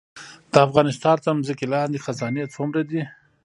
د افغانستان تر ځمکې لاندې خزانې څومره دي؟